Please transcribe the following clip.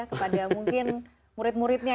kepada mungkin murid muridnya